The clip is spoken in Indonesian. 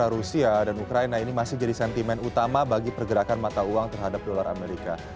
rusia dan ukraina ini masih jadi sentimen utama bagi pergerakan mata uang terhadap dolar amerika